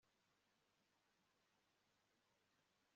ntidushobora kubashyingira abakobwa bacu